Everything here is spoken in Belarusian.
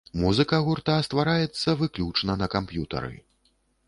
Музыка гурта ствараецца выключна на камп'ютары.